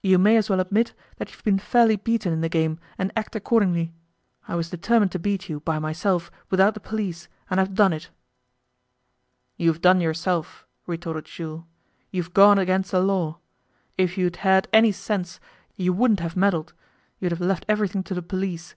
You may as well admit that you've been fairly beaten in the game and act accordingly. I was determined to beat you, by myself, without the police, and I've done it.' 'You've done yourself,' retorted Jules. 'You've gone against the law. If you'd had any sense you wouldn't have meddled; you'd have left everything to the police.